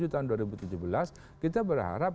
di tahun dua ribu tujuh belas kita berharap